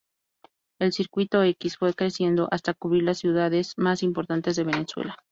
El Circuito X fue creciendo hasta cubrir las ciudades más importantes de Venezuela.